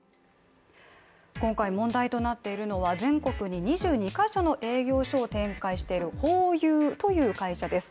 今回問題となっているのは全国に２２か所の営業所を展開しているホーユーという会社です。